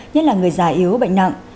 nhất là người già yếu bệnh nặng